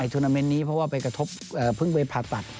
ในทุนาเมนนี้เพราะว่าไปกระทบเพิ่งเวย์ผลาตัด